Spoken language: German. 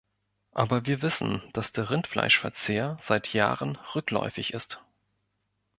Aber wir wissen, dass der Rindfleischverzehr seit Jahren rückläufig ist.